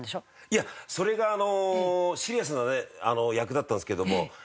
いやそれがあのシリアスなね役だったんですけども。